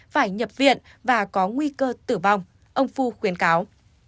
phải nhập viện và có nguy cơ tử vong ông phu khuyến cáo